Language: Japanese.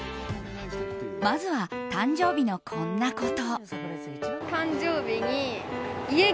まずは誕生日のこんなこと。